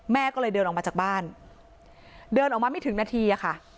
แม่ก็เลยเดินออกมาจากบ้านเดินออกมาไม่ถึงนาทีอะค่ะ